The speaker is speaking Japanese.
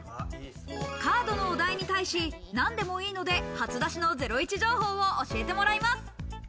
カードのお題に対し、何でもいいので初出しのゼロイチ情報を教えてもらいます。